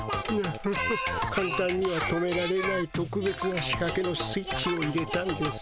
フフッかんたんには止められないとくべつな仕かけのスイッチを入れたんです。